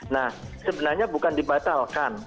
nah sebenarnya bukan dibatalkan